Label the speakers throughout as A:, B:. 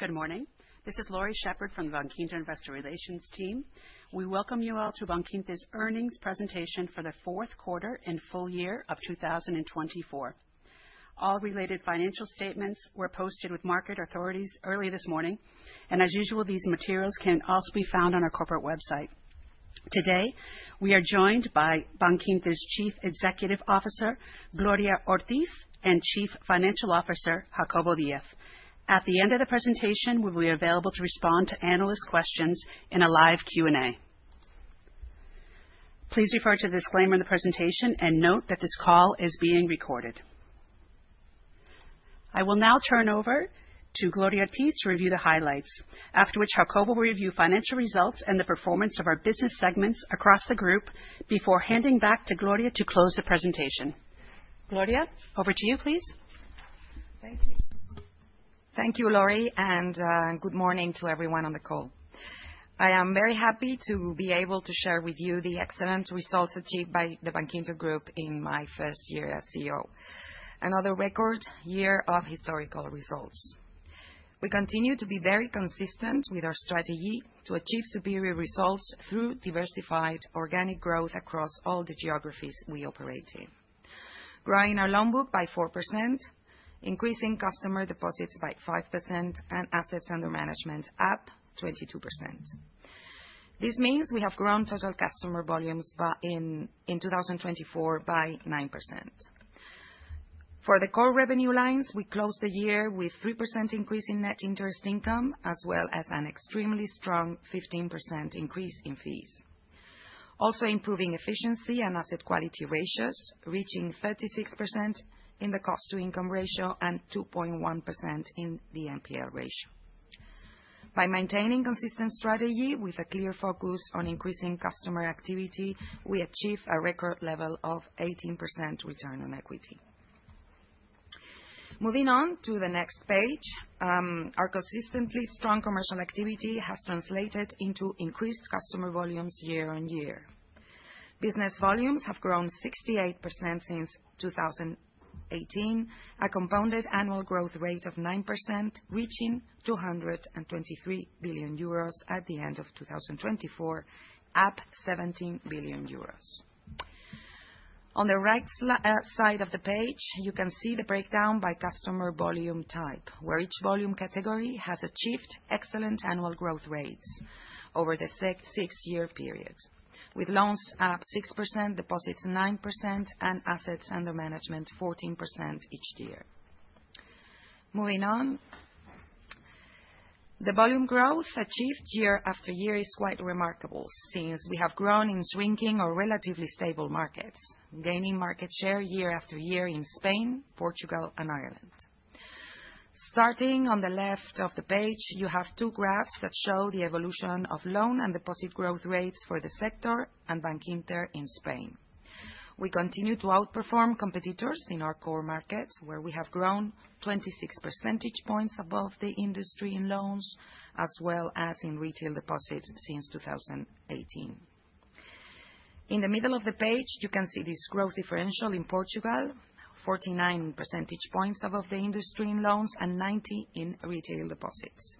A: Good morning. This is Laurie Shepard from the Bankinter Investor Relations team. We welcome you all to Bankinter's Earnings Presentation for the Fourth Quarter and Full Year of 2024. All related financial statements were posted with market authorities early this morning, and as usual, these materials can also be found on our corporate website. Today, we are joined by Bankinter's Chief Executive Officer, Gloria Ortiz, and Chief Financial Officer, Jacobo Díaz. At the end of the presentation, we will be available to respond to analyst questions in a live Q&A. Please refer to the disclaimer in the presentation and note that this call is being recorded. I will now turn over to Gloria Ortiz to review the highlights, after which Jacobo will review financial results and the performance of our business segments across the group before handing back to Gloria to close the presentation. Gloria, over to you, please.
B: Thank you. Thank you, Laurie, and good morning to everyone on the call. I am very happy to be able to share with you the excellent results achieved by the Bankinter Group in my first year as CEO. Another record year of historical results. We continue to be very consistent with our strategy to achieve superior results through diversified organic growth across all the geographies we operate in, growing our loan book by 4%, increasing customer deposits by 5%, and assets under management up 22%. This means we have grown total customer volumes in 2024 by 9%. For the core revenue lines, we closed the year with a 3% increase in net interest income, as well as an extremely strong 15% increase in fees. Also, improving efficiency and asset quality ratios, reaching 36% in the cost-to-income ratio and 2.1% in the NPL ratio. By maintaining a consistent strategy with a clear focus on increasing customer activity, we achieved a record level of 18% return on equity. Moving on to the next page, our consistently strong commercial activity has translated into increased customer volumes year on year. Business volumes have grown 68% since 2018, a compounded annual growth rate of 9%, reaching 223 billion euros at the end of 2024, up 17 billion euros. On the right side of the page, you can see the breakdown by customer volume type, where each volume category has achieved excellent annual growth rates over the six-year period, with loans up 6%, deposits 9%, and assets under management 14% each year. Moving on, the volume growth achieved year after year is quite remarkable since we have grown in shrinking or relatively stable markets, gaining market share year after year in Spain, Portugal, and Ireland. Starting on the left of the page, you have two graphs that show the evolution of loan and deposit growth rates for the sector and Bankinter in Spain. We continue to outperform competitors in our core market, where we have grown 26 percentage points above the industry in loans, as well as in retail deposits since 2018. In the middle of the page, you can see this growth differential in Portugal, 49 percentage points above the industry in loans and 90 in retail deposits.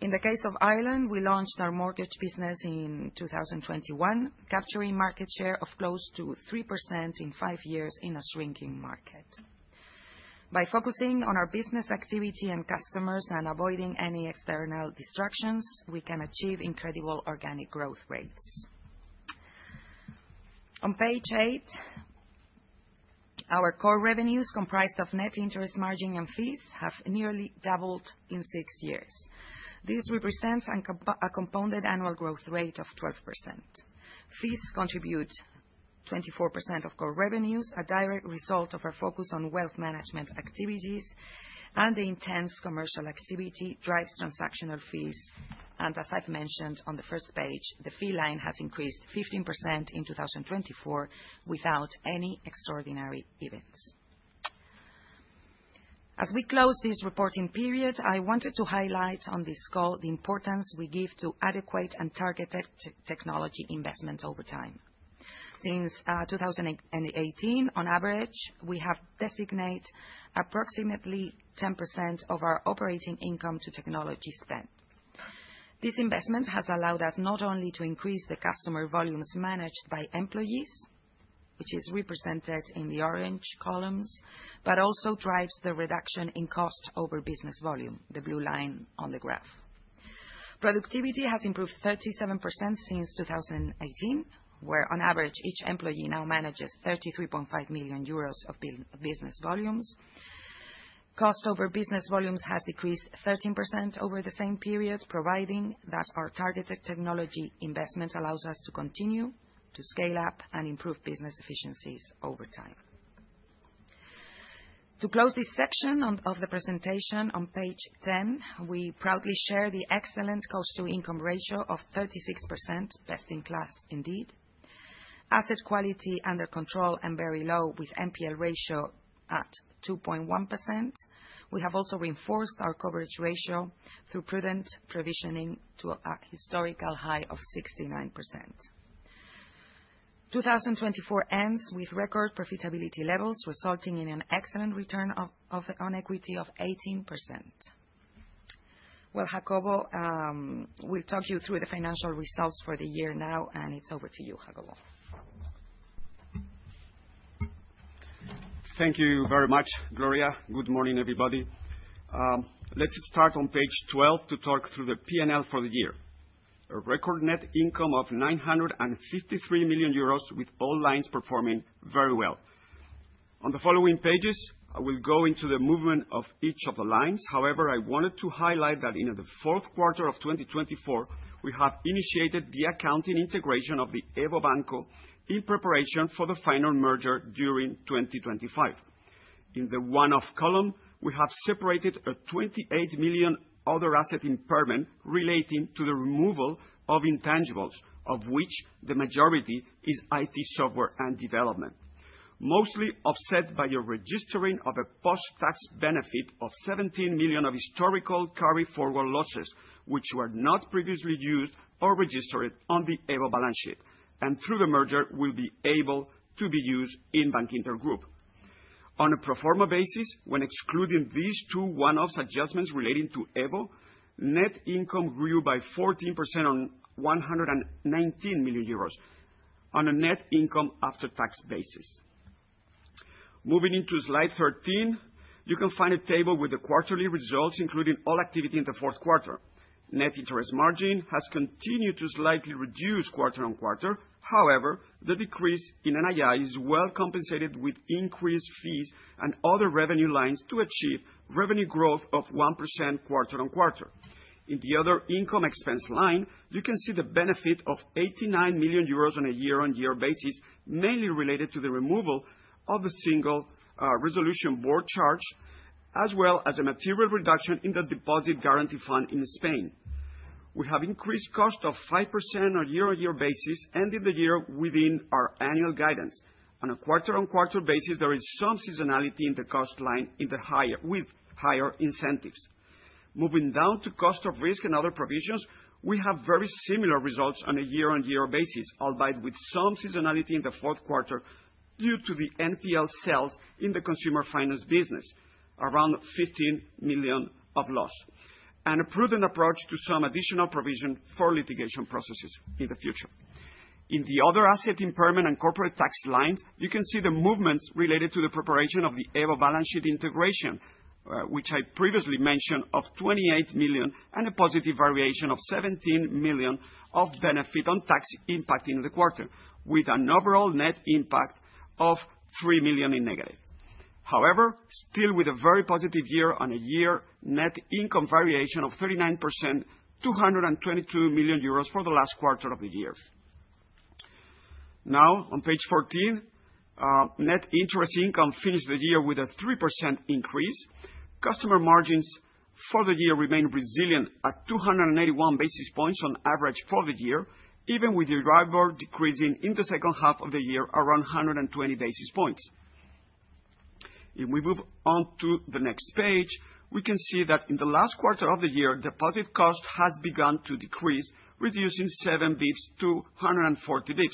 B: In the case of Ireland, we launched our mortgage business in 2021, capturing market share of close to 3% in five years in a shrinking market. By focusing on our business activity and customers and avoiding any external distractions, we can achieve incredible organic growth rates. On page eight, our core revenues, comprised of net interest margin and fees, have nearly doubled in six years. This represents a compounded annual growth rate of 12%. Fees contribute 24% of core revenues, a direct result of our focus on wealth management activities, and the intense commercial activity drives transactional fees. I've mentioned on the first page, the fee line has increased 15% in 2024 without any extraordinary events. As we close this reporting period, I wanted to highlight on this call the importance we give to adequate and targeted technology investment over time. Since 2018, on average, we have designated approximately 10% of our operating income to technology spend. This investment has allowed us not only to increase the customer volumes managed by employees, which is represented in the orange columns, but also drives the reduction in cost over business volume, the blue line on the graph. Productivity has improved 37% since 2018, where on average, each employee now manages 33.5 million euros of business volumes. Costs over business volumes has decreased 13% over the same period, providing that our targeted technology investment allows us to continue to scale up and improve business efficiencies over time. To close this section of the presentation, on page 10, we proudly share the excellent cost-to-income ratio of 36%, best in class indeed. Asset quality under control and very low, with NPL ratio at 2.1%. We have also reinforced our coverage ratio through prudent provisioning to a historical high of 69%. 2024 ends with record profitability levels, resulting in an excellent return on equity of 18%. Well, Jacobo, we'll talk you through the financial results for the year now, and it's over to you, Jacobo.
C: Thank you very much, Gloria. Good morning, everybody. Let's start on page 12 to talk through the P&L for the year. A record net income of 953 million euros, with all lines performing very well. On the following pages, I will go into the movement of each of the lines. However, I wanted to highlight that in the fourth quarter of 2024, we have initiated the accounting integration of the EVO Banco in preparation for the final merger during 2025. In the one-off column, we have separated a 28 million other asset impairment relating to the removal of intangibles, of which the majority is IT software and development, mostly offset by a registering of a post-tax benefit of 17 million of historical carry-forward losses, which were not previously used or registered on the EVO Banco balance sheet, and through the merger, will be able to be used in Bankinter Group. On a pro forma basis, when excluding these two one-off adjustments relating to Evo, net income grew by 14% on 119 million euros on a net income after-tax basis. Moving into slide 13, you can find a table with the quarterly results, including all activity in the fourth quarter. Net interest margin has continued to slightly reduce quarter on quarter. However, the decrease in NII is well compensated with increased fees and other revenue lines to achieve revenue growth of 1% quarter on quarter. In the other income expense line, you can see the benefit of 89 million euros on a year-on-year basis, mainly related to the removal of a Single Resolution Board charge, as well as a material reduction in the Deposit Guarantee Fund in Spain. We have increased cost of 5% on a year-on-year basis, ending the year within our annual guidance. On a quarter-on-quarter basis, there is some seasonality in the cost line with higher incentives. Moving down to cost of risk and other provisions, we have very similar results on a year-on-year basis, albeit with some seasonality in the fourth quarter due to the NPL sales in the consumer finance business, around 15 million of loss, and a prudent approach to some additional provision for litigation processes in the future. In the other asset impairment and corporate tax lines, you can see the movements related to the preparation of the EVO balance sheet integration, which I previously mentioned, of 28 million and a positive variation of 17 million of benefit on tax impact in the quarter, with an overall net impact of 3 million in negative. However, still with a very positive year-on-year net income variation of 39%, 222 million euros for the last quarter of the year. Now, on page 14, net interest income finished the year with a 3% increase. Customer margins for the year remain resilient at 281 basis points on average for the year, even with the driver decreasing in the second half of the year around 120 basis points. If we move on to the next page, we can see that in the last quarter of the year, deposit cost has begun to decrease, reducing seven bps to 140 bps.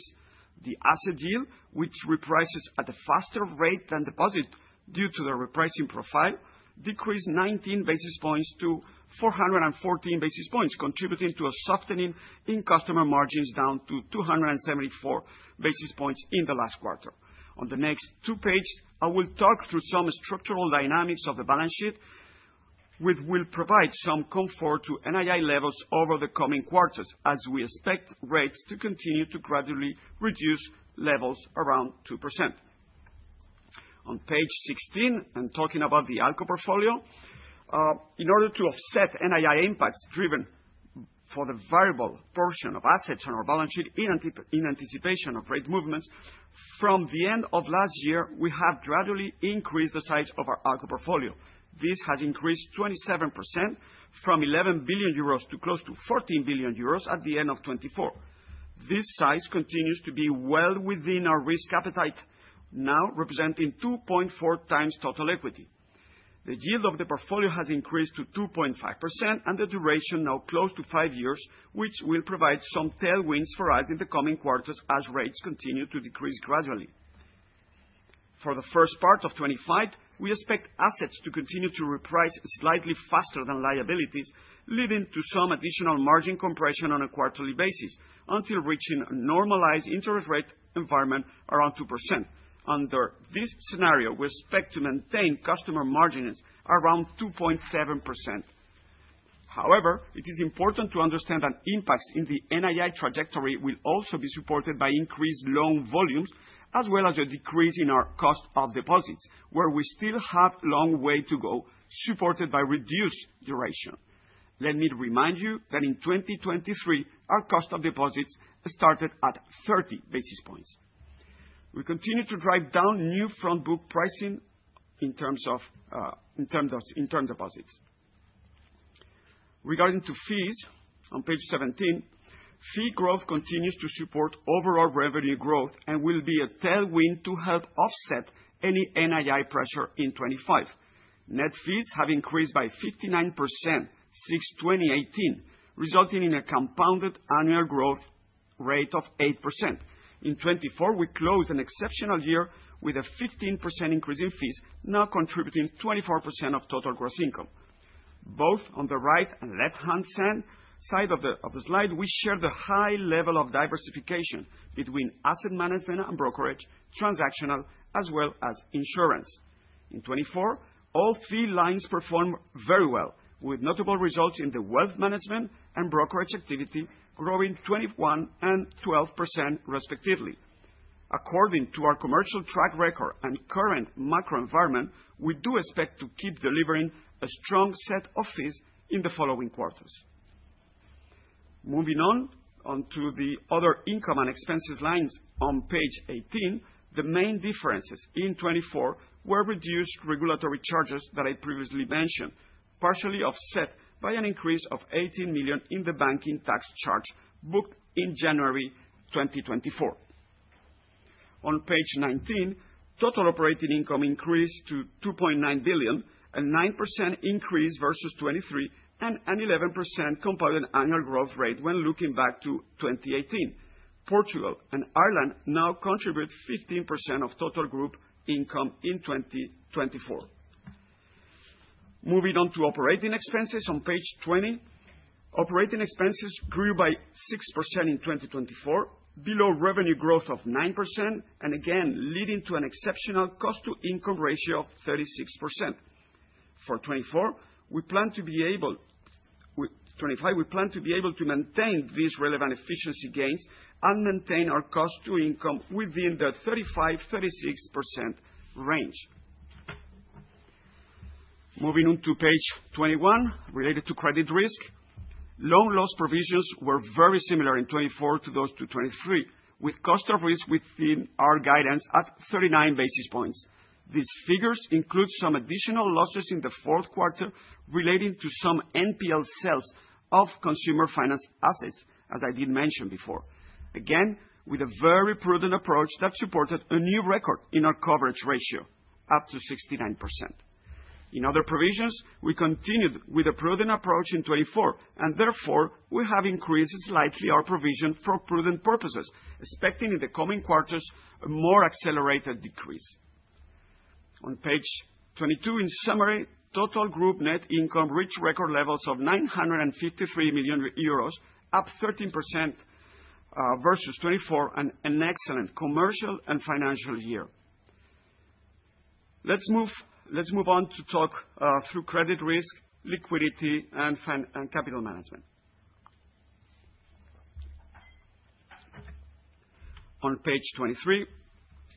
C: The asset yield, which reprices at a faster rate than deposit due to the repricing profile, decreased 19 basis points to 414 basis points, contributing to a softening in customer margins down to 274 basis points in the last quarter. On the next two pages, I will talk through some structural dynamics of the balance sheet, which will provide some comfort to NII levels over the coming quarters, as we expect rates to continue to gradually reduce levels around 2%. On page 16, and talking about the ALCO portfolio, in order to offset NII impacts driven for the variable portion of assets on our balance sheet in anticipation of rate movements, from the end of last year, we have gradually increased the size of our ALCO portfolio. This has increased 27% from 11 billion euros to close to 14 billion euros at the end of 2024. This size continues to be well within our risk appetite, now representing 2.4 times total equity. The yield of the portfolio has increased to 2.5%, and the duration now close to five years, which will provide some tailwinds for us in the coming quarters as rates continue to decrease gradually. For the first part of 2025, we expect assets to continue to reprice slightly faster than liabilities, leading to some additional margin compression on a quarterly basis until reaching a normalized interest rate environment around 2%. Under this scenario, we expect to maintain customer margins around 2.7%. However, it is important to understand that impacts in the NII trajectory will also be supported by increased loan volumes, as well as a decrease in our cost of deposits, where we still have a long way to go, supported by reduced duration. Let me remind you that in 2023, our cost of deposits started at 30 basis points. We continue to drive down new front-book pricing in terms of interim deposits. Regarding fees, on page 17, fee growth continues to support overall revenue growth and will be a tailwind to help offset any NII pressure in 2025. Net fees have increased by 59% since 2018, resulting in a compounded annual growth rate of 8%. In 2024, we closed an exceptional year with a 15% increase in fees, now contributing 24% of total gross income. Both on the right and left-hand side of the slide, we share the high level of diversification between asset management and brokerage, transactional, as well as insurance. In 2024, all three lines performed very well, with notable results in the wealth management and brokerage activity growing 21% and 12%, respectively. According to our commercial track record and current macro environment, we do expect to keep delivering a strong set of fees in the following quarters. Moving on to the other income and expenses lines on page 18, the main differences in 2024 were reduced regulatory charges that I previously mentioned, partially offset by an increase of 18 million in the banking tax charge booked in January 2024. On page 19, total operating income increased to 2.9 billion, a 9% increase versus 2023, and an 11% compounded annual growth rate when looking back to 2018. Portugal and Ireland now contribute 15% of total group income in 2024. Moving on to operating expenses, on page 20, operating expenses grew by 6% in 2024, below revenue growth of 9%, and again leading to an exceptional cost-to-income ratio of 36%. For 2024, we plan to be able to maintain these relevant efficiency gains and maintain our cost-to-income within the 35%-36% range. Moving on to page 21, related to credit risk, loan loss provisions were very similar in 2024 to those in 2023, with cost of risk within our guidance at 39 basis points. These figures include some additional losses in the fourth quarter relating to some NPL sales of consumer finance assets, as I did mention before. Again, with a very prudent approach that supported a new record in our coverage ratio, up to 69%. In other provisions, we continued with a prudent approach in 2024, and therefore we have increased slightly our provision for prudent purposes, expecting in the coming quarters a more accelerated decrease. On page 22, in summary, total group net income reached record levels of 953 million euros, up 13% versus 2024, and an excellent commercial and financial year. Let's move on to talk through credit risk, liquidity, and capital management. On page 23,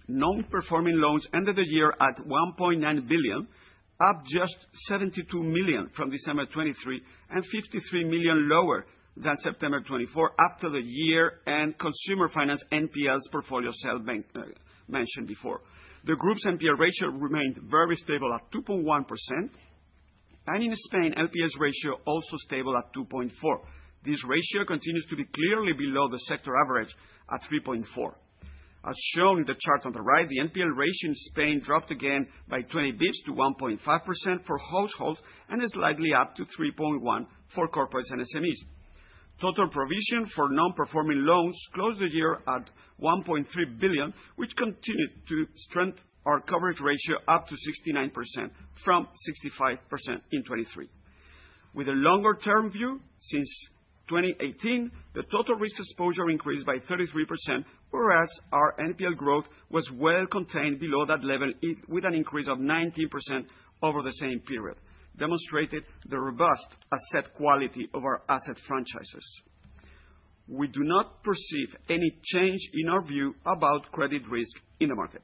C: non-performing loans ended the year at 1.9 billion, up just 72 million from December 2023, and 53 million lower than September 2024 after the year-end consumer finance NPL portfolio sales mentioned before. The group's NPL ratio remained very stable at 2.1%, and in Spain, NPL ratio also stable at 2.4%. This ratio continues to be clearly below the sector average at 3.4%. As shown in the chart on the right, the NPL ratio in Spain dropped again by 20 basis points to 1.5% for households and is slightly up to 3.1% for corporates and SMEs. Total provision for non-performing loans closed the year at 1.3 billion, which continued to strengthen our coverage ratio up to 69% from 65% in 2023. With a longer-term view, since 2018, the total risk exposure increased by 33%, whereas our NPL growth was well contained below that level with an increase of 19% over the same period, demonstrating the robust asset quality of our asset franchises. We do not perceive any change in our view about credit risk in the market.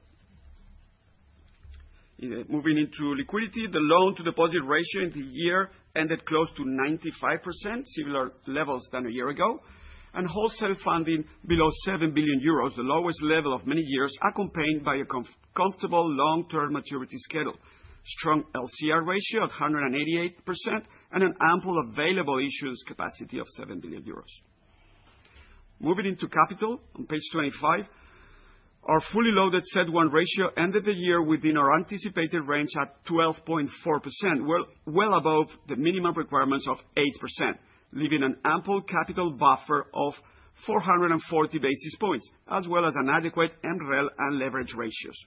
C: Moving into liquidity, the loan-to-deposit ratio in the year ended close to 95%, similar levels than a year ago, and wholesale funding below 7 billion euros, the lowest level of many years, accompanied by a comfortable long-term maturity schedule, strong LCR ratio at 188%, and an ample available issuance capacity of 7 billion euros. Moving into capital, on page 25, our fully loaded CET1 ratio ended the year within our anticipated range at 12.4%, well above the minimum requirements of 8%, leaving an ample capital buffer of 440 basis points, as well as an adequate MREL and leverage ratios.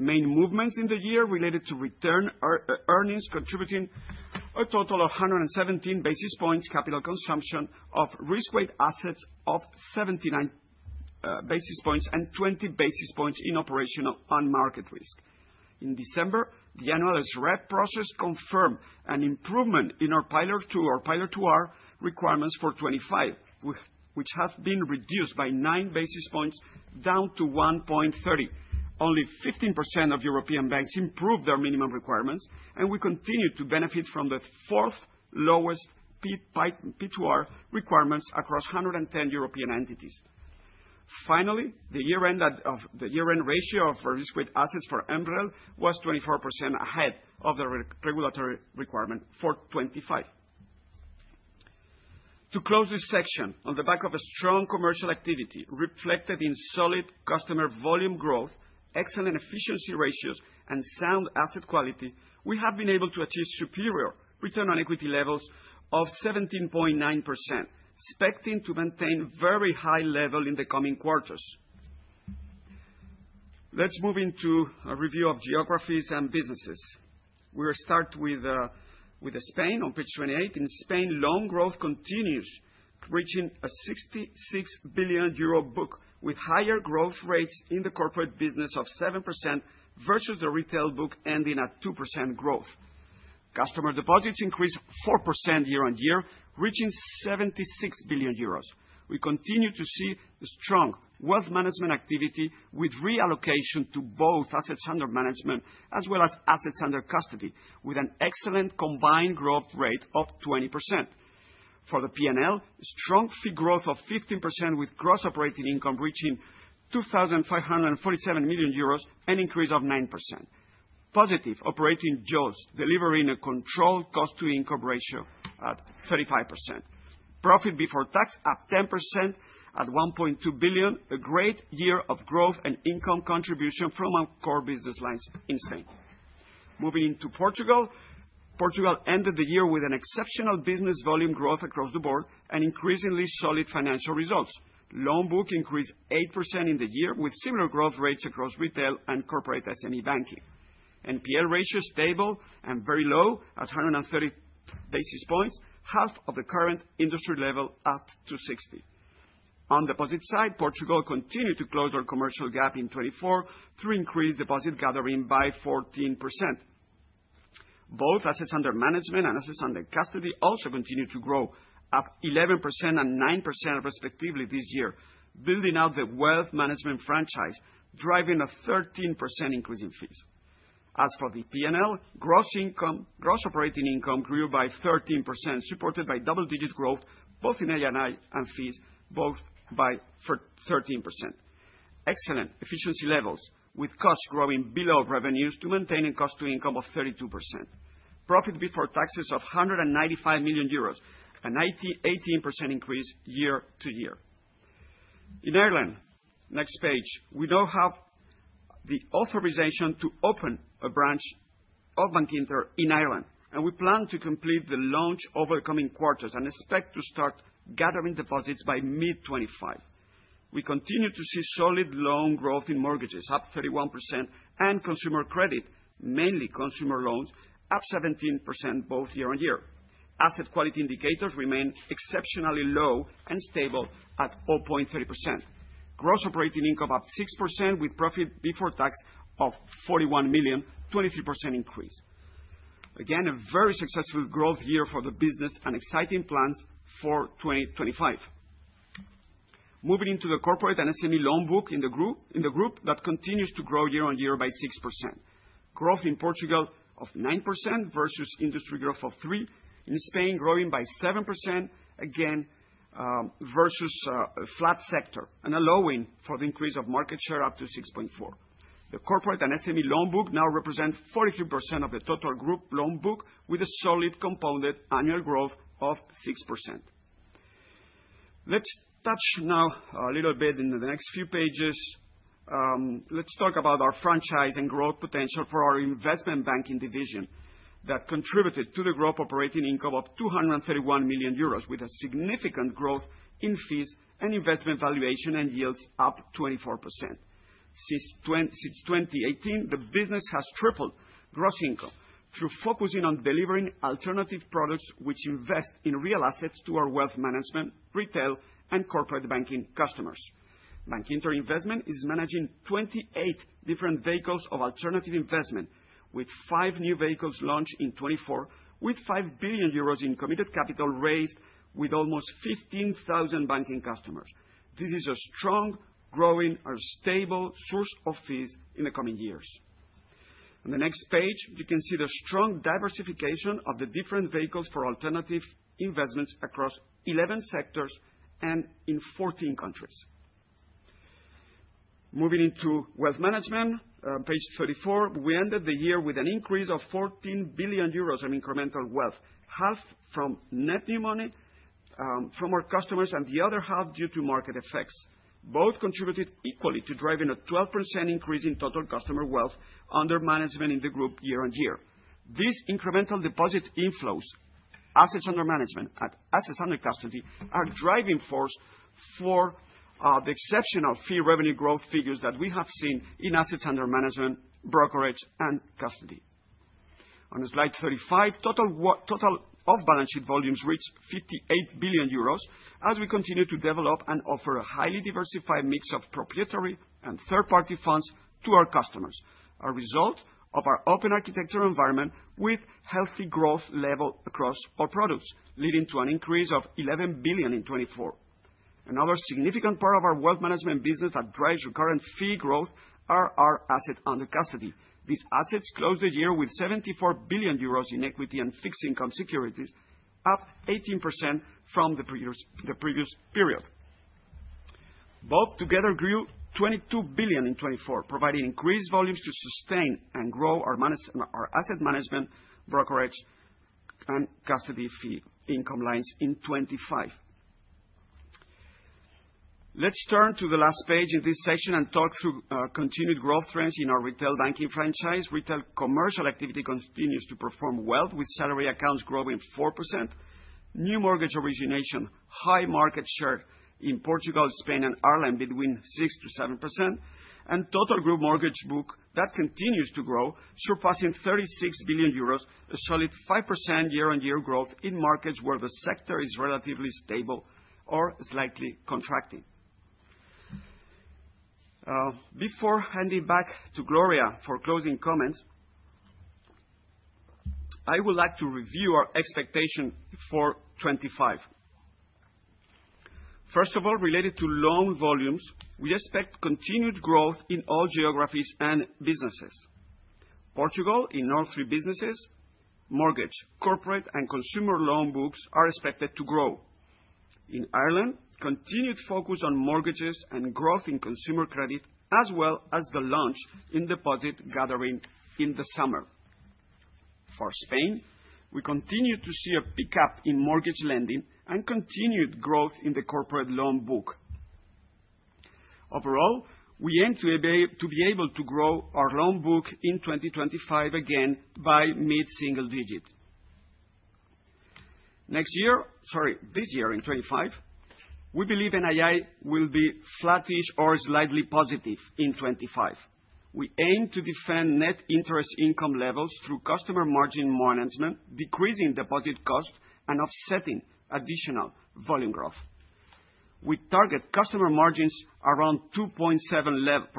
C: Main movements in the year related to retained earnings contributed a total of 117 basis points capital consumption of risk-weighted assets of 79 basis points and 20 basis points in operational and market risk. In December, the annualized SREP process confirmed an improvement in our Pillar 2, our Pillar 2R requirements for 2025, which have been reduced by 9 basis points, down to 1.30. Only 15% of European banks improved their minimum requirements, and we continue to benefit from the fourth lowest P2R requirements across 110 European entities. Finally, the year-end ratio of risk-weighted assets for MREL was 24% ahead of the regulatory requirement for 2025. To close this section, on the back of strong commercial activity reflected in solid customer volume growth, excellent efficiency ratios, and sound asset quality, we have been able to achieve superior return on equity levels of 17.9%, expecting to maintain very high levels in the coming quarters. Let's move into a review of geographies and businesses. We will start with Spain on page 28. In Spain, loan growth continues, reaching a 66 billion euro book with higher growth rates in the corporate business of 7% versus the retail book ending at 2% growth. Customer deposits increased 4% year-on-year, reaching 76 billion euros. We continue to see strong wealth management activity with reallocation to both assets under management as well as assets under custody, with an excellent combined growth rate of 20%. For the P&L, strong fee growth of 15% with gross operating income reaching 2,547 million euros and increase of 9%. Positive operating jaws delivering a controlled cost-to-income ratio at 35%. Profit before tax up 10% at 1.2 billion, a great year of growth and income contribution from our core business lines in Spain. Moving into Portugal, Portugal ended the year with an exceptional business volume growth across the board and increasingly solid financial results. Loan book increased 8% in the year with similar growth rates across retail and corporate SME banking. NPL ratio stable and very low at 130 basis points, half of the current industry level up to 60. On the deposit side, Portugal continued to close our commercial gap in 2024 through increased deposit gathering by 14%. Both assets under management and assets under custody also continued to grow up 11% and 9%, respectively, this year, building out the wealth management franchise, driving a 13% increase in fees. As for the P&L, gross operating income grew by 13%, supported by double-digit growth both in NII and fees both by 13%. Excellent efficiency levels with costs growing below revenues to maintain a cost-to-income of 32%. Profit before taxes of 195 million euros, an 18% increase year to year. In Ireland, next page, we now have the authorization to open a branch of Bankinter in Ireland, and we plan to complete the launch over the coming quarters and expect to start gathering deposits by mid-2025. We continue to see solid loan growth in mortgages up 31% and consumer credit, mainly consumer loans, up 17% both year-on-year. Asset quality indicators remain exceptionally low and stable at 0.3%. Gross operating income up 6% with profit before tax of 41 million, 23% increase. Again, a very successful growth year for the business and exciting plans for 2025. Moving into the corporate and SME loan book in the group that continues to grow year-on-year by 6%. Growth in Portugal of 9% versus industry growth of 3%. In Spain, growing by 7% again versus a flat sector and allowing for the increase of market share up to 6.4%. The corporate and SME loan book now represents 43% of the total group loan book with a solid compounded annual growth of 6%. Let's touch now a little bit in the next few pages. Let's talk about our franchise and growth potential for our investment banking division that contributed to the growth operating income of 231 million euros with a significant growth in fees and investment valuation and yields up 24%. Since 2018, the business has tripled gross income through focusing on delivering alternative products which invest in real assets to our wealth management, retail, and corporate banking customers. Bankinter Investment is managing 28 different vehicles of alternative investment, with five new vehicles launched in 2024, with 5 billion euros in committed capital raised with almost 15,000 banking customers. This is a strong, growing, and stable source of fees in the coming years. On the next page, you can see the strong diversification of the different vehicles for alternative investments across 11 sectors and in 14 countries. Moving into wealth management, on page 34, we ended the year with an increase of 14 billion euros in incremental wealth, half from net new money from our customers and the other half due to market effects. Both contributed equally to driving a 12% increase in total customer wealth under management in the group year-on-year. These incremental deposit inflows, assets under management and assets under custody are driving force for the exceptional fee revenue growth figures that we have seen in assets under management, brokerage, and custody. On slide 35, total off-balance sheet volumes reached 58 billion euros as we continue to develop and offer a highly diversified mix of proprietary and third-party funds to our customers, a result of our open architecture environment with healthy growth level across our products, leading to an increase of 11 billion in 2024. Another significant part of our wealth management business that drives recurrent fee growth are our assets under custody. These assets closed the year with 74 billion euros in equity and fixed income securities, up 18% from the previous period. Both together grew 22 billion in 2024, providing increased volumes to sustain and grow our asset management, brokerage, and custody fee income lines in 2025. Let's turn to the last page in this section and talk through continued growth trends in our retail banking franchise. Retail commercial activity continues to perform well, with salary accounts growing 4%, new mortgage origination, high market share in Portugal, Spain, and Ireland between 6%-7%, and total group mortgage book that continues to grow, surpassing 36 billion euros, a solid 5% year-on-year growth in markets where the sector is relatively stable or slightly contracting. Before handing back to Gloria for closing comments, I would like to review our expectation for 2025. First of all, related to loan volumes, we expect continued growth in all geographies and businesses. Portugal, in all three businesses, mortgage, corporate, and consumer loan books are expected to grow. In Ireland, continued focus on mortgages and growth in consumer credit, as well as the launch in deposit gathering in the summer. For Spain, we continue to see a pickup in mortgage lending and continued growth in the corporate loan book. Overall, we aim to be able to grow our loan book in 2025 again by mid-single digit. Next year, sorry, this year in 2025, we believe NII will be flattish or slightly positive in 2025. We aim to defend net interest income levels through customer margin management, decreasing deposit cost and offsetting additional volume growth. We target customer margins around 2.7%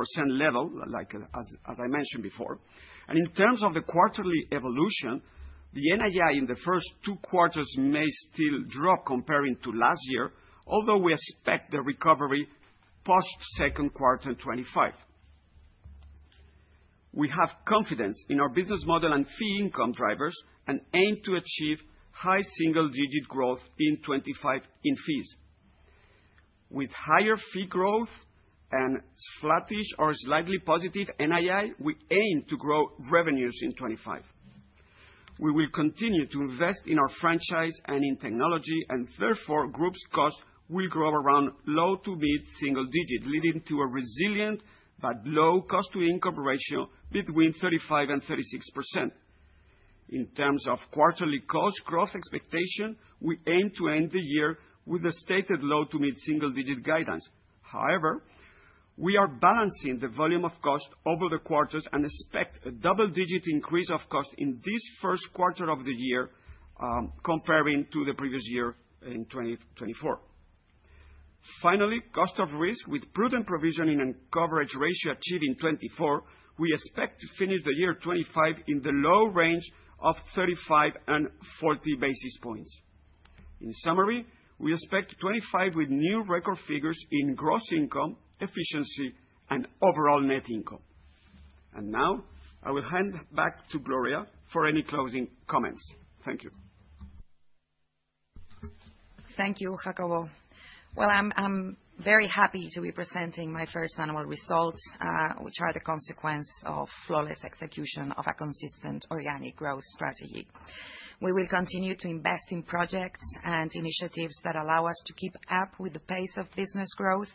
C: level, like as I mentioned before. And in terms of the quarterly evolution, the NII in the first two quarters may still drop comparing to last year, although we expect the recovery post-second quarter in 2025. We have confidence in our business model and fee income drivers and aim to achieve high single-digit growth in 2025 in fees. With higher fee growth and flattish or slightly positive NII, we aim to grow revenues in 2025. We will continue to invest in our franchise and in technology, and therefore group's costs will grow around low to mid-single digit, leading to a resilient but low cost-to-income ratio between 35% and 36%. In terms of quarterly cost growth expectation, we aim to end the year with the stated low to mid-single digit guidance. However, we are balancing the volume of cost over the quarters and expect a double-digit increase of cost in this first quarter of the year comparing to the previous year in 2024. Finally, cost of risk with prudent provisioning and coverage ratio achieved in 2024, we expect to finish the year 2025 in the low range of 35 and 40 basis points. In summary, we expect 2025 with new record figures in gross income, efficiency, and overall net income. And now, I will hand back to Gloria for any closing comments. Thank you.
B: Thank you, Jacobo. Well, I'm very happy to be presenting my first annual results, which are the consequence of flawless execution of a consistent organic growth strategy. We will continue to invest in projects and initiatives that allow us to keep up with the pace of business growth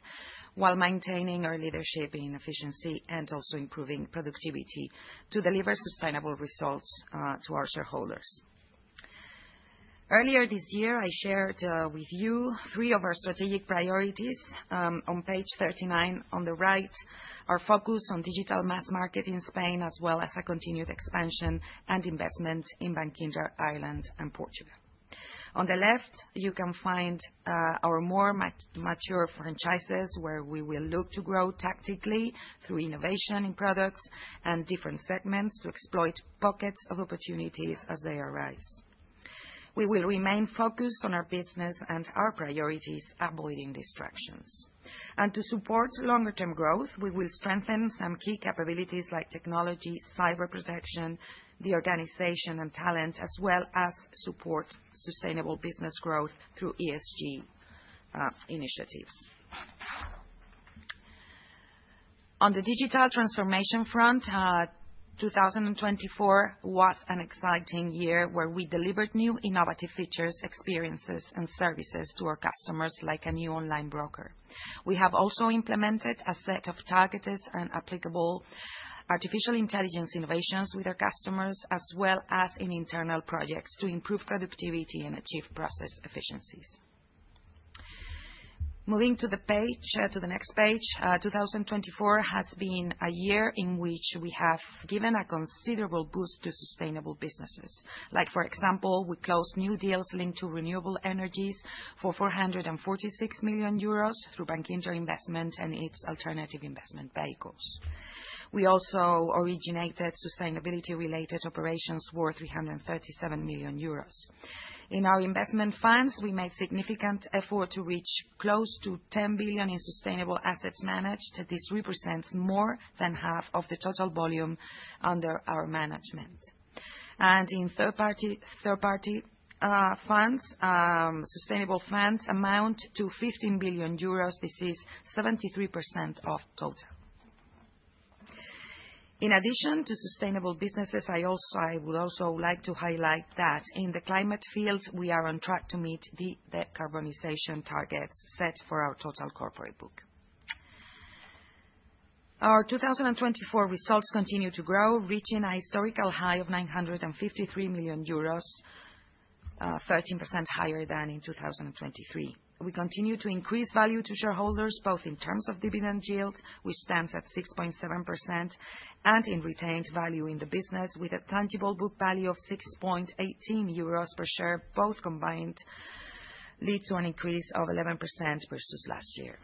B: while maintaining our leadership in efficiency and also improving productivity to deliver sustainable results to our shareholders. Earlier this year, I shared with you three of our strategic priorities. On page 39, on the right, our focus on digital mass market in Spain, as well as a continued expansion and investment in Bankinter Ireland and Portugal. On the left, you can find our more mature franchises where we will look to grow tactically through innovation in products and different segments to exploit pockets of opportunities as they arise. We will remain focused on our business and our priorities, avoiding distractions, and to support longer-term growth, we will strengthen some key capabilities like technology, cyber protection, the organization and talent, as well as support sustainable business growth through ESG initiatives. On the digital transformation front, 2024 was an exciting year where we delivered new innovative features, experiences, and services to our customers like a new online broker. We have also implemented a set of targeted and applicable artificial intelligence innovations with our customers, as well as in internal projects to improve productivity and achieve process efficiencies. Moving to the next page, 2024 has been a year in which we have given a considerable boost to sustainable businesses. Like, for example, we closed new deals linked to renewable energies for 446 million euros through Bankinter Investment and its alternative investment vehicles. We also originated sustainability-related operations worth 337 million euros. In our investment funds, we made significant effort to reach close to 10 billion in sustainable assets managed. This represents more than half of the total volume under our management. And in third-party funds, sustainable funds amount to 15 billion euros. This is 73% of total. In addition to sustainable businesses, I would also like to highlight that in the climate field, we are on track to meet the decarbonization targets set for our total corporate book. Our 2024 results continue to grow, reaching a historical high of 953 million euros, 13% higher than in 2023. We continue to increase value to shareholders, both in terms of dividend yield, which stands at 6.7%, and in retained value in the business, with a tangible book value of 6.18 euros per share. Both combined lead to an increase of 11% versus last year.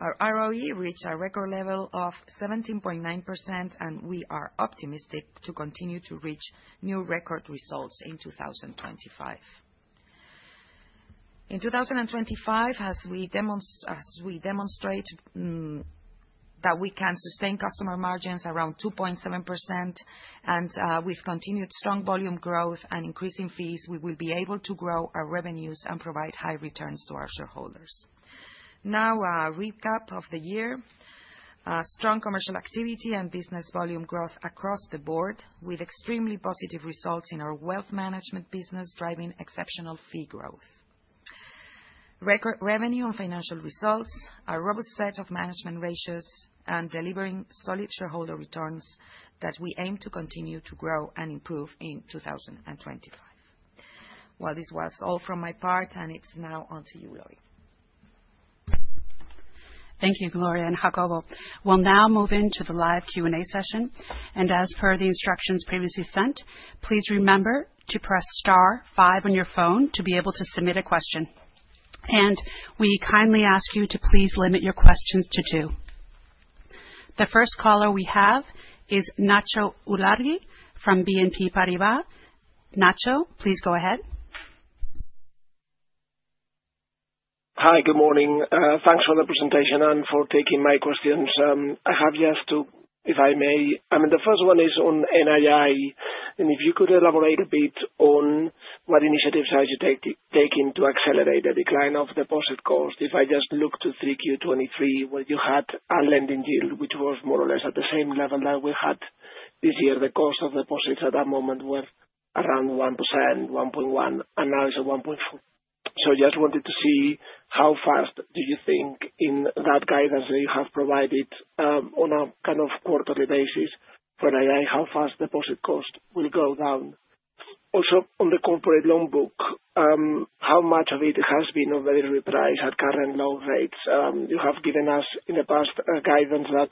B: Our ROE reached a record level of 17.9%, and we are optimistic to continue to reach new record results in 2025. In 2025, as we demonstrate that we can sustain customer margins around 2.7%, and with continued strong volume growth and increasing fees, we will be able to grow our revenues and provide high returns to our shareholders. Now, a recap of the year. Strong commercial activity and business volume growth across the board, with extremely positive results in our wealth management business, driving exceptional fee growth. Record revenue on financial results, a robust set of management ratios, and delivering solid shareholder returns that we aim to continue to grow and improve in 2025. This was all from my part, and it's now on to you, Gloria.
D: Thank you, Gloria and Jacobo. We'll now move into the live Q&A session. As per the instructions previously sent, please remember to press star five on your phone to be able to submit a question. We kindly ask you to please limit your questions to two. The first caller we have is Nacho Ulargui from BNP Paribas. Nacho, please go ahead.
E: Hi, good morning. Thanks for the presentation and for taking my questions. I have just to, if I may, I mean, the first one is on NII. If you could elaborate a bit on what initiatives are you taking to accelerate the decline of deposit costs? If I just look to 3Q23, where you had a lending deal, which was more or less at the same level that we had this year, the cost of deposits at that moment was around 1%-1.1%, and now it's at 1.4%. So I just wanted to see how fast do you think in that guidance that you have provided on a kind of quarterly basis for NII, how fast deposit costs will go down. Also, on the corporate loan book, how much of it has been already repriced at current loan rates? You have given us in the past a guidance that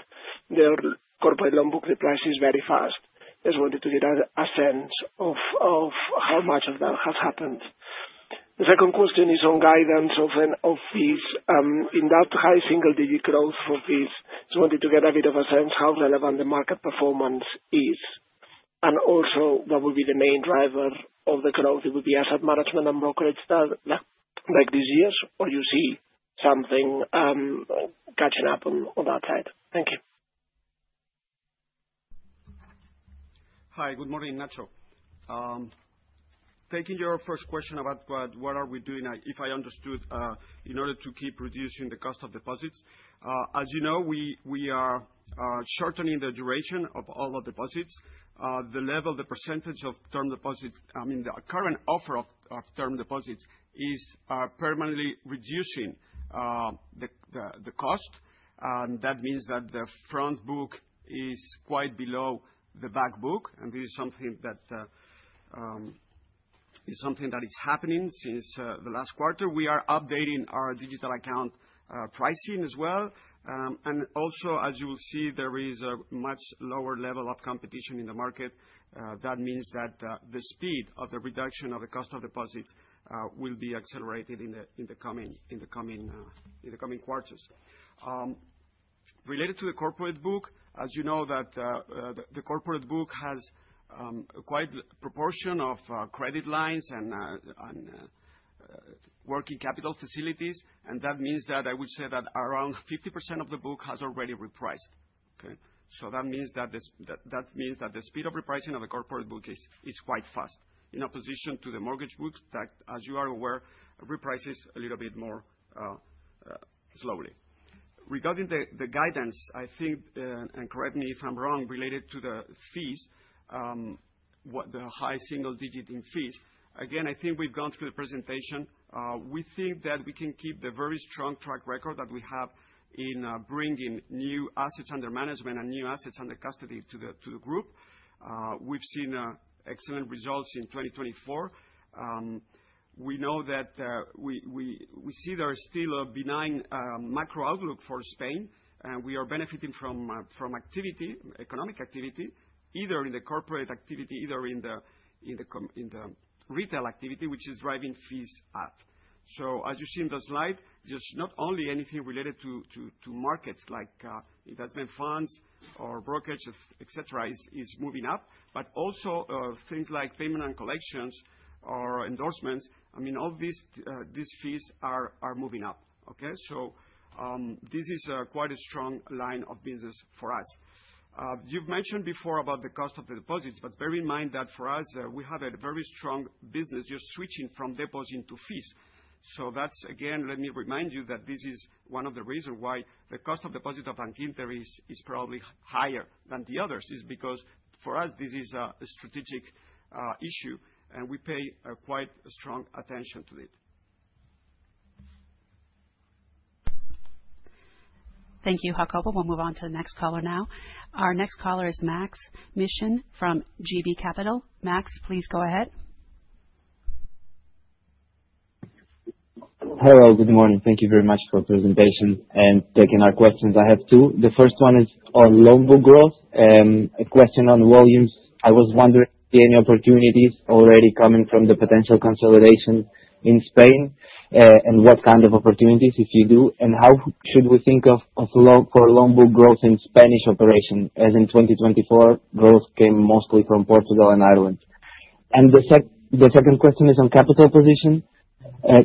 E: the corporate loan book reprice is very fast. I just wanted to get a sense of how much of that has happened. The second question is on guidance on fees. In that high single-digit growth for fees, I just wanted to get a bit of a sense of how relevant the market performance is. And also, what would be the main driver of the growth? It would be asset management and brokerage like this year, or do you see something catching up on that side?
C: Thank you. Hi, good morning, Nacho. Taking your first question about what are we doing, if I understood, in order to keep reducing the cost of deposits. As you know, we are shortening the duration of all the deposits. The level, the percentage of term deposits, I mean, the current offer of term deposits is permanently reducing the cost. And that means that the front book is quite below the back book. And this is something that is happening since the last quarter. We are updating our digital account pricing as well, and also, as you will see, there is a much lower level of competition in the market. That means that the speed of the reduction of the cost of deposits will be accelerated in the coming quarters. Related to the corporate book, as you know, that the corporate book has quite a proportion of credit lines and working capital facilities, and that means that I would say that around 50% of the book has already repriced. Okay? So that means that the speed of repricing of the corporate book is quite fast, in opposition to the mortgage books that, as you are aware, reprices a little bit more slowly. Regarding the guidance, I think, and correct me if I'm wrong, related to the fees, the high single-digit in fees. Again, I think we've gone through the presentation. We think that we can keep the very strong track record that we have in bringing new assets under management and new assets under custody to the group. We've seen excellent results in 2024. We know that we see there is still a benign macro outlook for Spain, and we are benefiting from economic activity, either in the corporate activity, either in the retail activity, which is driving fees up. So, as you see in the slide, just not only anything related to markets like investment funds or brokerage, etc., is moving up, but also things like payment and collections or endorsements. I mean, all these fees are moving up. Okay? So this is quite a strong line of business for us. You've mentioned before about the cost of the deposits, but bear in mind that for us, we have a very strong business just switching from deposit into fees. So that's, again, let me remind you that this is one of the reasons why the cost of deposit of Bankinter is probably higher than the others. It's because for us, this is a strategic issue, and we pay quite strong attention to it.
D: Thank you, Jacobo. We'll move on to the next caller now. Our next caller is Maksym Mishyn from JB Capital Markets. Max, please go ahead.
F: Hello, good morning. Thank you very much for the presentation and taking our questions. I have two. The first one is on loan book growth. A question on volumes. I was wondering if there are any opportunities already coming from the potential consolidation in Spain, and what kind of opportunities, if you do, and how should we think of for loan book growth in Spanish operations, as in 2024, growth came mostly from Portugal and Ireland. The second question is on capital position.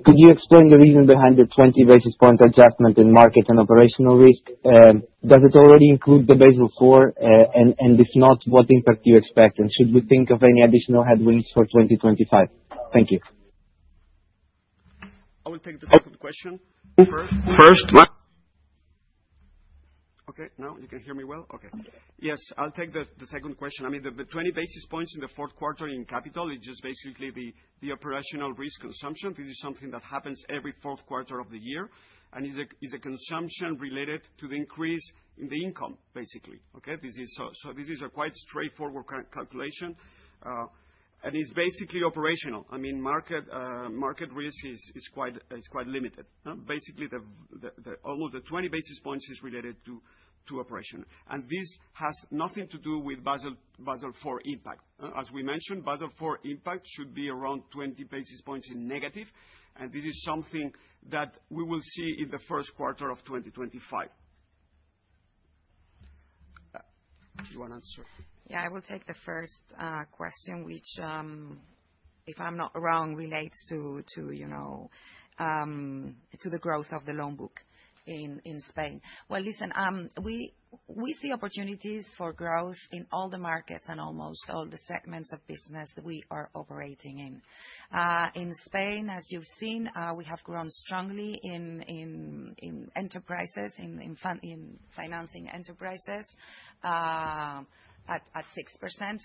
F: Could you explain the reason behind the 20 basis points adjustment in market and operational risk? Does it already include the Basel IV? And if not, what impact do you expect? And should we think of any additional headwinds for 2025? Thank you.
C: I will take the second question. First? Okay. Now you can hear me well? Okay. Yes, I'll take the second question. I mean, the 20 basis points in the fourth quarter in capital, it's just basically the operational risk consumption. This is something that happens every fourth quarter of the year. And it's a consumption related to the increase in the income, basically. Okay? So this is a quite straightforward calculation. And it's basically operational. I mean, market risk is quite limited. Basically, all of the 20 basis points is related to operation. This has nothing to do with Basel IV impact. As we mentioned, Basel IV impact should be around 20 basis points in negative. This is something that we will see in the first quarter of 2025. You want to answer?
B: Yeah, I will take the first question, which, if I'm not wrong, relates to the growth of the loan book in Spain. Listen, we see opportunities for growth in all the markets and almost all the segments of business that we are operating in. In Spain, as you've seen, we have grown strongly in enterprises, in financing enterprises, at 6%.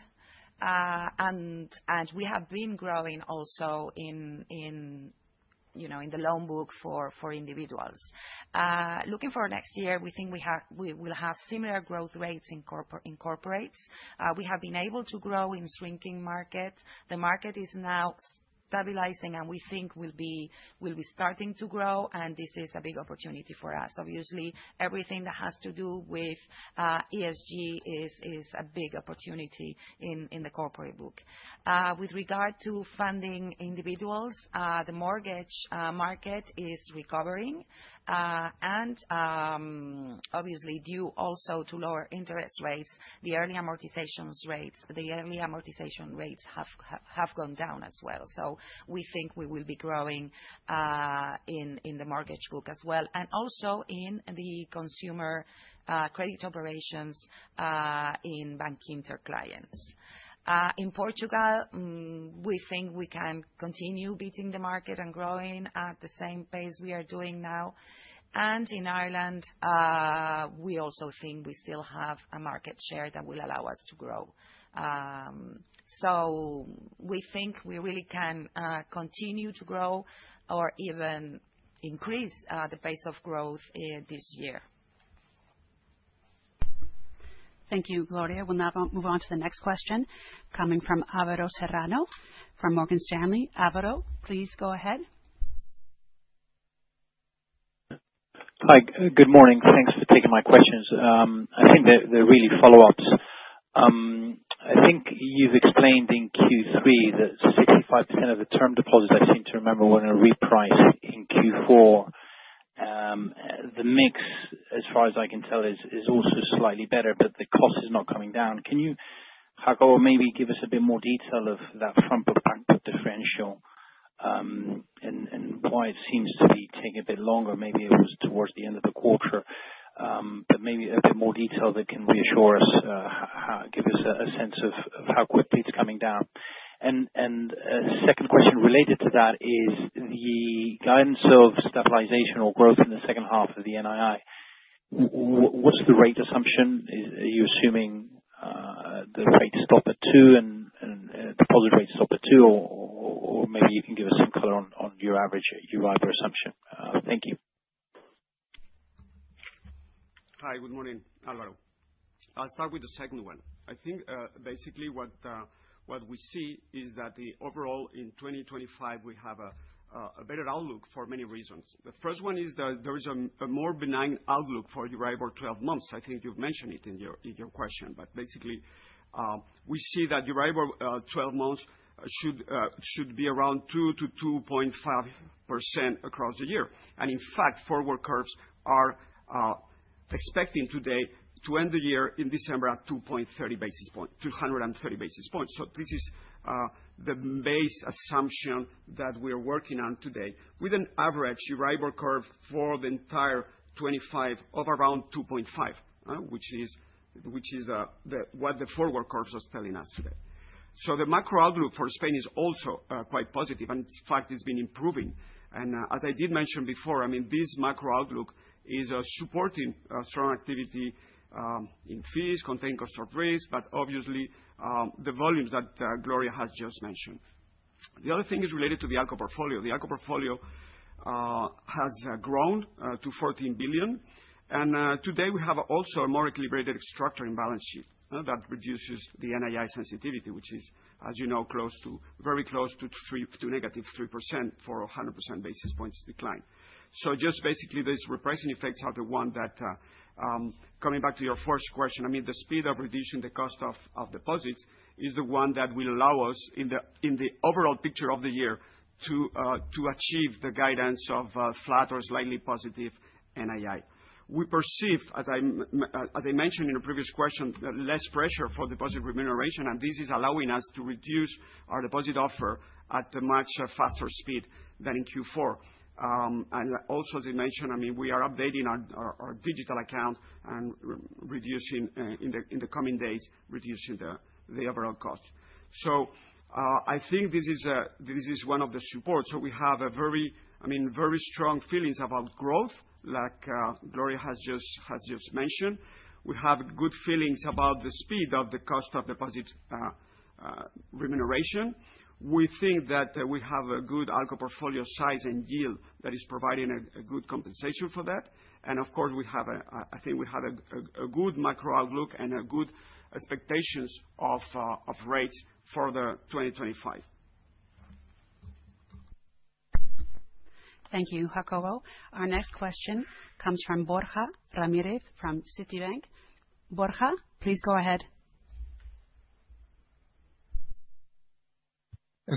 B: We have been growing also in the loan book for individuals. Looking for next year, we think we will have similar growth rates in corporates. We have been able to grow in shrinking markets. The market is now stabilizing, and we think we'll be starting to grow. And this is a big opportunity for us. Obviously, everything that has to do with ESG is a big opportunity in the corporate book. With regard to funding individuals, the mortgage market is recovering. And obviously, due also to lower interest rates, the early amortization rates have gone down as well. So we think we will be growing in the mortgage book as well, and also in the consumer credit operations in Bankinter clients. In Portugal, we think we can continue beating the market and growing at the same pace we are doing now. And in Ireland, we also think we still have a market share that will allow us to grow. So we think we really can continue to grow or even increase the pace of growth this year.
D: Thank you, Gloria. We'll now move on to the next question coming from Álvaro Serrano from Morgan Stanley. Álvaro, please go ahead. Hi, good morning. Thanks for taking my questions. I think they're really follow-ups. I think you've explained in Q3 that 65% of the term deposits I seem to remember were in reprice in Q4. The mix, as far as I can tell, is also slightly better, but the cost is not coming down. Can you, Jacobo, maybe give us a bit more detail of that front-book/back-book differential and why it seems to be taking a bit longer? Maybe it was towards the end of the quarter. But maybe a bit more detail that can reassure us, give us a sense of how quickly it's coming down. And second question related to that is the guidance of stabilization or growth in the second half of the NII. What's the rate assumption? Are you assuming the rate stop at two and deposit rate stop at two? Or maybe you can give us some color on your average, your Euribor assumption. Thank you.
C: Hi, good morning, Álvaro. I'll start with the second one. I think basically what we see is that overall in 2025, we have a better outlook for many reasons. The first one is that there is a more benign outlook for Euribor 12 months. I think you've mentioned it in your question, but basically, we see that Euribor 12 months should be around 2 to 2.5% across the year. And in fact, forward curves are expecting today to end the year in December at 2.30 basis points, 230 basis points. This is the base assumption that we are working on today with an average Euribor curve for the entire 2025 of around 2.5%, which is what the forward curve is telling us today. The macro outlook for Spain is also quite positive. And in fact, it's been improving. And as I did mention before, I mean, this macro outlook is supporting strong activity in fees, containing cost of risk, but obviously the volumes that Gloria has just mentioned. The other thing is related to the ALCO portfolio. The ALCO portfolio has grown to 14 billion. And today, we have also a more equilibrated structure in balance sheet that reduces the NII sensitivity, which is, as you know, very close to negative 3% for a 100 basis points decline. So just basically, these repricing effects are the one that, coming back to your first question, I mean, the speed of reducing the cost of deposits is the one that will allow us in the overall picture of the year to achieve the guidance of flat or slightly positive NII. We perceive, as I mentioned in a previous question, less pressure for deposit remuneration, and this is allowing us to reduce our deposit offer at a much faster speed than in Q4. And also, as I mentioned, I mean, we are updating our digital account and, in the coming days, reducing the overall cost. So I think this is one of the supports. So we have a very, I mean, very strong feelings about growth, like Gloria has just mentioned. We have good feelings about the speed of the cost of deposit remuneration. We think that we have a good ALCO portfolio size and yield that is providing a good compensation for that. And of course, I think we have a good macro outlook and good expectations of rates for 2025.
D: Thank you, Jacobo. Our next question comes from Borja Ramírez from Citi. Borja, please go ahead.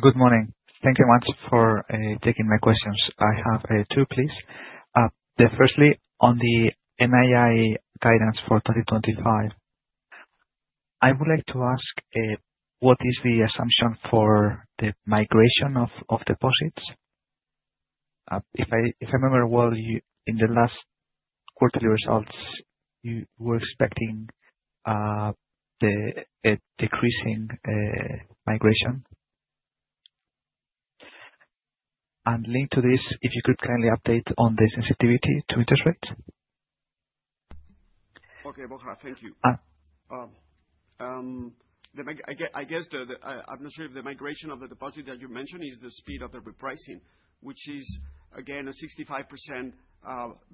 G: Good morning. Thank you much for taking my questions. I have two, please. Firstly, on the NII guidance for 2025, I would like to ask what is the assumption for the migration of deposits? If I remember well, in the last quarterly results, you were expecting the decreasing migration. And linked to this, if you could kindly update on the sensitivity to interest rates.
C: Okay, Borja, thank you. I guess I'm not sure if the migration of the deposit that you mentioned is the speed of the repricing, which is, again, a 65%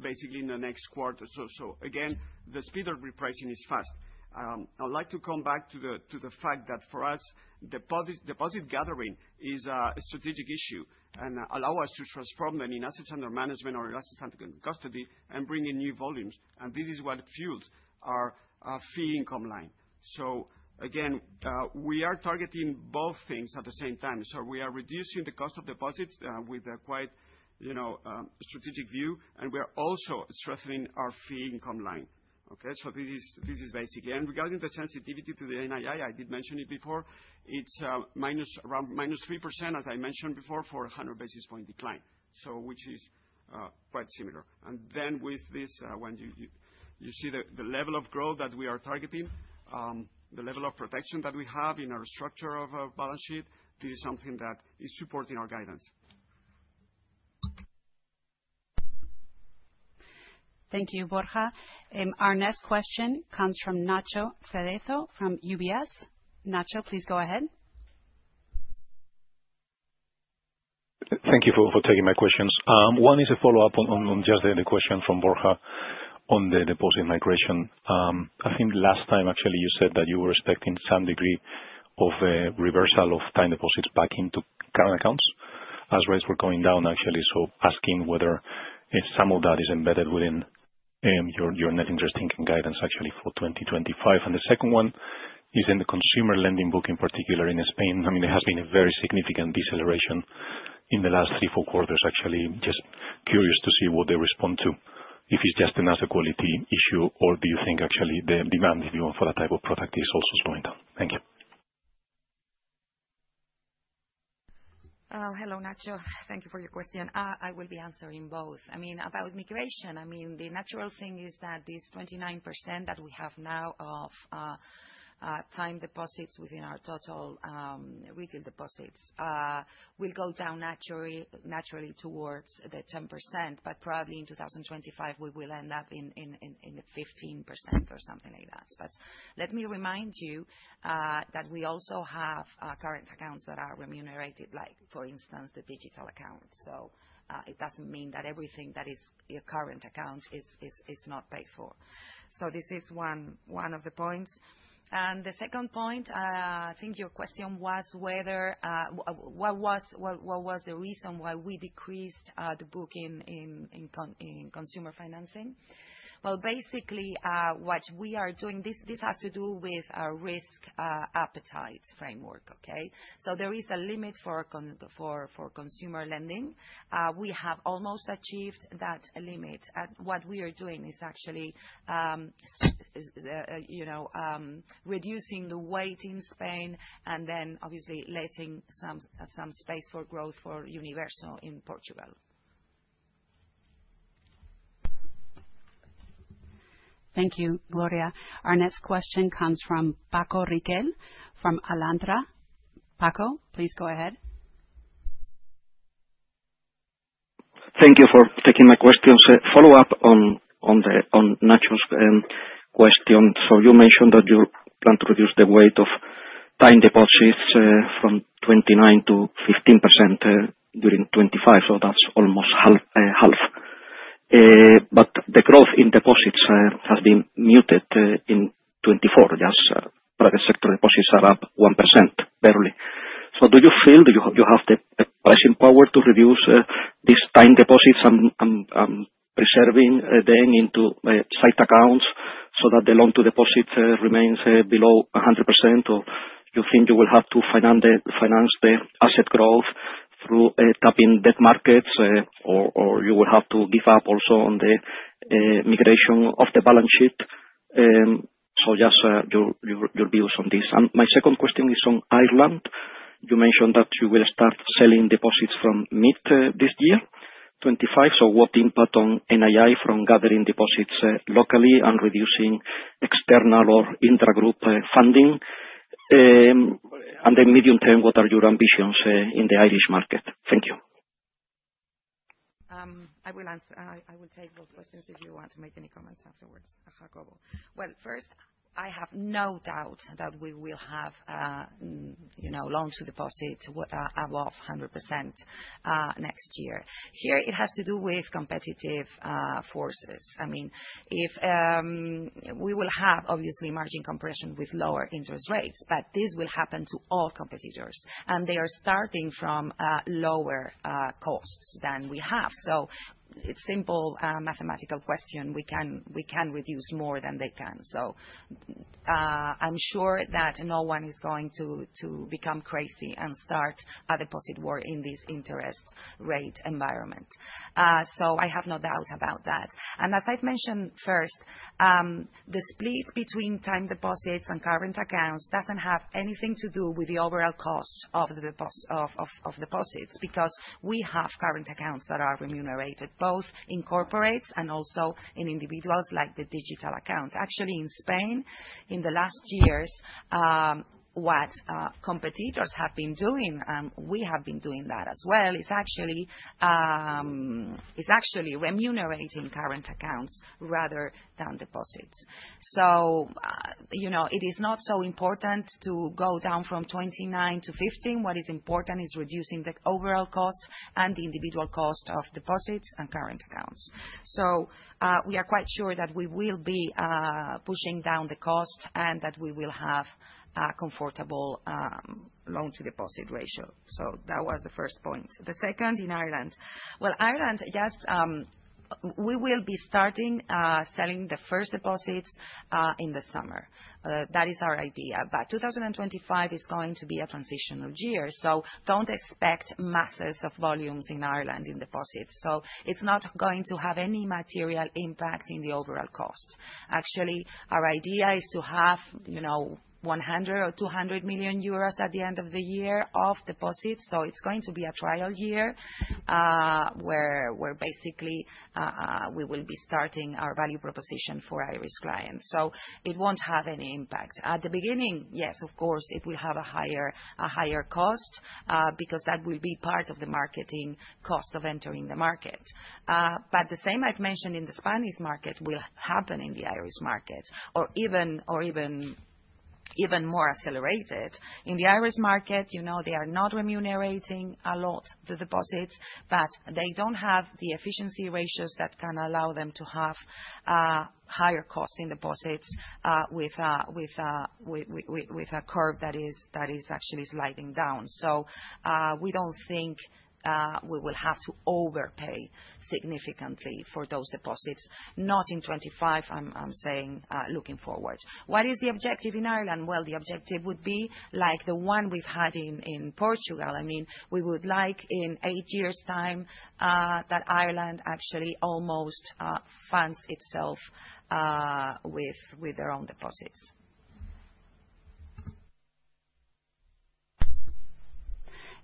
C: basically in the next quarter. So again, the speed of repricing is fast. I'd like to come back to the fact that for us, deposit gathering is a strategic issue and allows us to transform them in assets under management or assets under custody and bring in new volumes. And this is what fuels our fee income line. So again, we are targeting both things at the same time. So we are reducing the cost of deposits with a quite strategic view. And we are also strengthening our fee income line. Okay? So this is basic. And regarding the sensitivity to the NII, I did mention it before. It's around minus 3%, as I mentioned before, for a 100 basis point decline, which is quite similar. And then with this, when you see the level of growth that we are targeting, the level of protection that we have in our structure of balance sheet, this is something that is supporting our guidance.
D: Thank you, Borja. Our next question comes from Nacho Cerezo from UBS. Nacho, please go ahead.
H: Thank you for taking my questions. One is a follow-up on just the question from Borja on the deposit migration. I think last time, actually, you said that you were expecting some degree of reversal of time deposits back into current accounts as rates were coming down, actually. So asking whether some of that is embedded within your net interest income guidance, actually, for 2025. And the second one is in the consumer lending book in particular in Spain. I mean, there has been a very significant deceleration in the last three, four quarters, actually. Just curious to see what they respond to, if it's just an asset quality issue or do you think, actually, the demand for that type of product is also slowing down? Thank you.
B: Hello, Nacho. Thank you for your question. I will be answering both. I mean, about migration, I mean, the natural thing is that this 29% that we have now of time deposits within our total retail deposits will go down naturally towards the 10%. But probably in 2025, we will end up in the 15% or something like that. But let me remind you that we also have current accounts that are remunerated, like for instance, the digital account. So it doesn't mean that everything that is your current account is not paid for. So this is one of the points. The second point, I think your question was what was the reason why we decreased the book in consumer financing? Well, basically, what we are doing, this has to do with our risk appetite framework, okay? So there is a limit for consumer lending. We have almost achieved that limit. What we are doing is actually reducing the weight in Spain and then, obviously, letting some space for growth for Universo in Portugal.
D: Thank you, Gloria. Our next question comes from Paco Riquel from Alantra. Paco, please go ahead.
I: Thank you for taking my question. Follow-up on Nacho's question. So you mentioned that you plan to reduce the weight of time deposits from 29% to 15% during 2025. So that's almost half. But the growth in deposits has been muted in 2024. Just private sector deposits are up 1%, barely. So do you feel you have the pricing power to reduce these time deposits and preserving them into sight accounts so that the loan-to-deposit remains below 100%? Or you think you will have to finance the asset growth through tapping debt markets, or you will have to give up also on the migration of the balance sheet? So just your views on this. And my second question is on Ireland. You mentioned that you will start selling deposits from mid this year, 2025. So what impact on NII from gathering deposits locally and reducing external or intra-group funding? And then medium term, what are your ambitions in the Irish market? Thank you.
B: I will take both questions if you want to make any comments afterwards, Jacobo. Well, first, I have no doubt that we will have loan-to-deposit above 100% next year. Here, it has to do with competitive forces. I mean, we will have, obviously, margin compression with lower interest rates, but this will happen to all competitors, and they are starting from lower costs than we have, so it's a simple mathematical question. We can reduce more than they can, so I'm sure that no one is going to become crazy and start a deposit war in this interest rate environment. So I have no doubt about that, and as I've mentioned first, the split between time deposits and current accounts doesn't have anything to do with the overall cost of the deposits because we have current accounts that are remunerated both in corporates and also in individuals like the digital account. Actually, in Spain, in the last years, what competitors have been doing, and we have been doing that as well, is actually remunerating current accounts rather than deposits. So it is not so important to go down from 29 to 15. What is important is reducing the overall cost and the individual cost of deposits and current accounts. So we are quite sure that we will be pushing down the cost and that we will have a comfortable loan-to-deposit ratio. So that was the first point. The second in Ireland. Well, Ireland, we will be starting selling the first deposits in the summer. That is our idea. But 2025 is going to be a transitional year. So don't expect masses of volumes in Ireland in deposits. So it's not going to have any material impact in the overall cost. Actually, our idea is to have 100 million or 200 million euros at the end of the year of deposits. So it's going to be a trial year where basically we will be starting our value proposition for Irish clients. So it won't have any impact. At the beginning, yes, of course, it will have a higher cost because that will be part of the marketing cost of entering the market. But the same I've mentioned in the Spanish market will happen in the Irish market or even more accelerated. In the Irish market, they are not remunerating a lot the deposits, but they don't have the efficiency ratios that can allow them to have higher cost in deposits with a curve that is actually sliding down. So we don't think we will have to overpay significantly for those deposits, not in 2025, I'm saying, looking forward. What is the objective in Ireland? Well, the objective would be like the one we've had in Portugal. I mean, we would like in eight years' time that Ireland actually almost funds itself with their own deposits.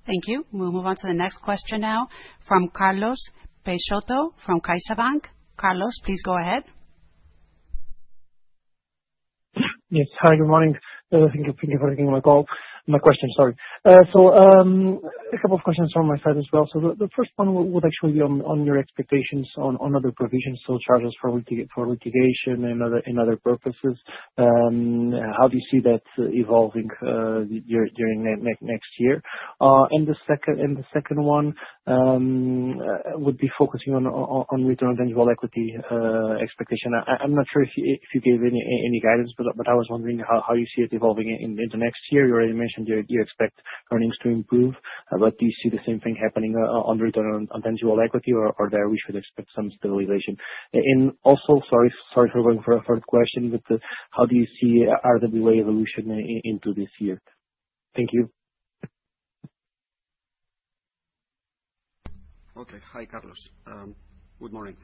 B: Thank you.
D: We'll move on to the next question now from Carlos Peixoto from CaixaBank. Carlos, please go ahead.
J: Yes. Hi, good morning. Thank you for taking my call. My question, sorry. So a couple of questions from my side as well. So the first one would actually be on your expectations on other provisions, so charges for litigation and other purposes. How do you see that evolving during next year? And the second one would be focusing on return on tangible equity expectation. I'm not sure if you gave any guidance, but I was wondering how you see it evolving into next year. You already mentioned you expect earnings to improve, but do you see the same thing happening on return on tangible equity, or there we should expect some stabilization? And also, sorry for going forward with the question, but how do you see RWA evolution into this year?
C: Thank you. Okay. Hi, Carlos. Good morning.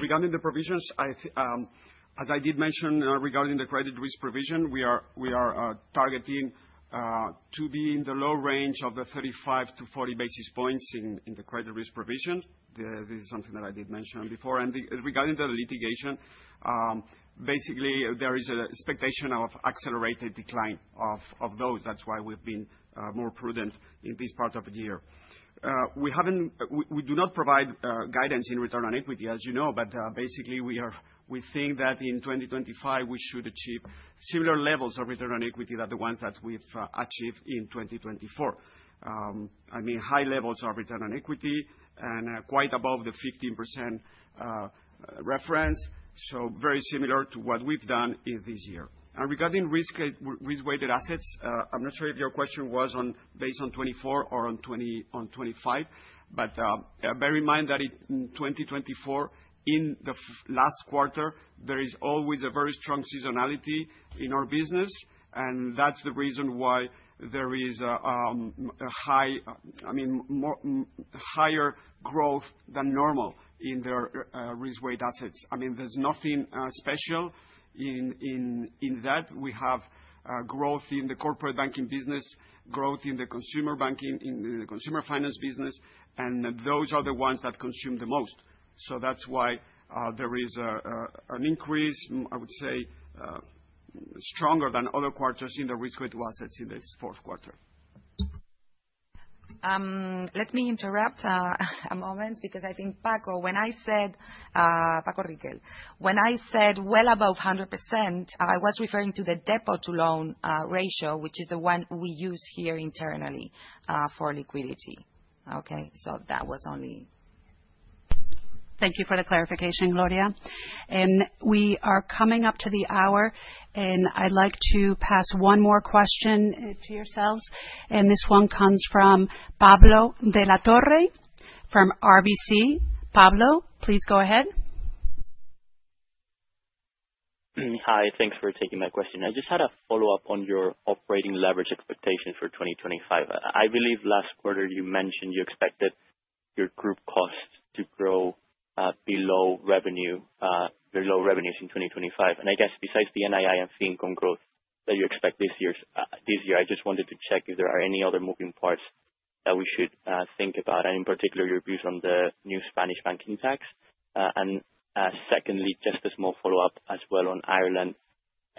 C: Regarding the provisions, as I did mention regarding the credit risk provision, we are targeting to be in the low range of the 35-40 basis points in the credit risk provision. This is something that I did mention before, and regarding the litigation, basically, there is an expectation of accelerated decline of those. That's why we've been more prudent in this part of the year. We do not provide guidance in return on equity, as you know, but basically, we think that in 2025, we should achieve similar levels of return on equity than the ones that we've achieved in 2024. I mean, high levels of return on equity and quite above the 15% reference, so very similar to what we've done this year. Regarding risk-weighted assets, I'm not sure if your question was based on 2024 or on 2025, but bear in mind that in 2024, in the last quarter, there is always a very strong seasonality in our business, and that's the reason why there is a higher growth than normal in their risk-weighted assets. I mean, there's nothing special in that. We have growth in the corporate banking business, growth in the consumer banking, in the consumer finance business, and those are the ones that consume the most. So that's why there is an increase, I would say, stronger than other quarters in the risk-weighted assets in this fourth quarter.
B: Let me interrupt a moment because I think Paco, when I said Paco Riquel, when I said well above 100%, I was referring to the deposit-to-loan ratio, which is the one we use here internally for liquidity. Okay? So that was only.
D: Thank you for the clarification, Gloria. And we are coming up to the hour, and I'd like to pass one more question to yourselves. And this one comes from Pablo de la Torre from RBC. Pablo, please go ahead.
K: Hi. Thanks for taking my question. I just had a follow-up on your operating leverage expectations for 2025. I believe last quarter you mentioned you expected your group costs to grow below revenues in 2025. And I guess besides the NII and fee-income growth that you expect this year, I just wanted to check if there are any other moving parts that we should think about, and in particular, your views on the new Spanish Banking Tax. And secondly, just a small follow-up as well on Ireland.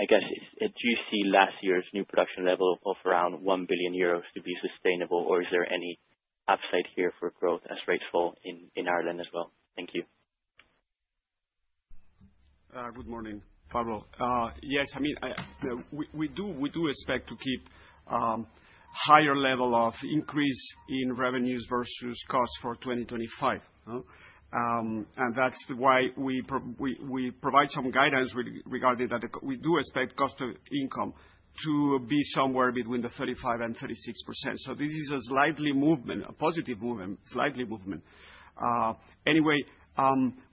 K: I guess, do you see last year's new production level of around 1 billion euros to be sustainable, or is there any upside here for growth as rates fall in Ireland as well? Thank you.
C: Good morning, Pablo. Yes. I mean, we do expect to keep a higher level of increase in revenues versus costs for 2025. And that's why we provide some guidance regarding that. We do expect cost-to-income to be somewhere between 35% and 36%. So this is a slight movement, a positive movement. Anyway,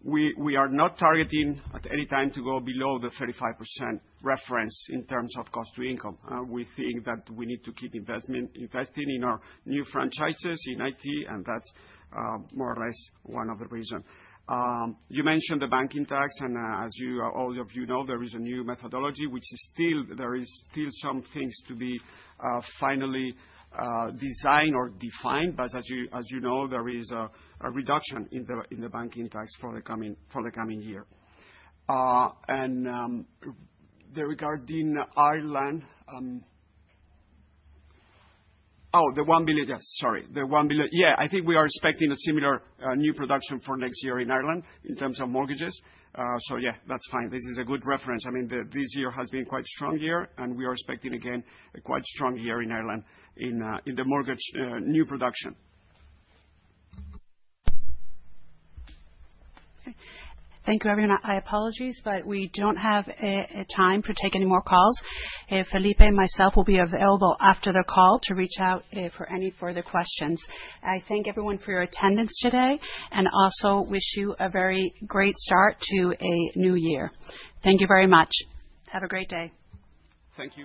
C: we are not targeting at any time to go below the 35% reference in terms of cost to income. We think that we need to keep investing in our new franchises in IT, and that's more or less one of the reasons. You mentioned the banking tax, and as all of you know, there is a new methodology, which is still, there are still some things to be finally designed or defined. But as you know, there is a reduction in the banking tax for the coming year. And regarding Ireland. Oh, the 1 billion, yes. Sorry. The 1 billion. Yeah. I think we are expecting a similar new production for next year in Ireland in terms of mortgages. So yeah, that's fine. This is a good reference. I mean, this year has been quite a strong year, and we are expecting, again, a quite strong year in Ireland in the mortgage new production.
D: Thank you, everyone. I apologize, but we don't have time to take any more calls. Felipe and myself will be available after the call to reach out for any further questions. I thank everyone for your attendance today and also wish you a very great start to a new year. Thank you very much. Have a great day. Thank you.